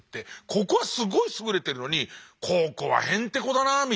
ここはすごい優れてるのにここはへんてこだなみたいな。